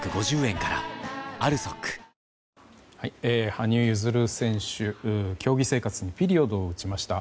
羽生結弦選手、競技生活にピリオドを打ちました。